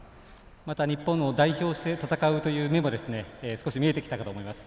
また日本を代表して戦うという面も少し見えてきたかと思います。